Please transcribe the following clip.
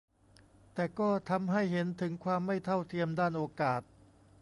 แต่ก็ทำให้เห็นถึงความไม่เท่าเทียมด้านโอกาส